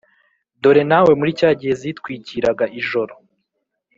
dore nawe muri cya gihe zitwikiraga ijoro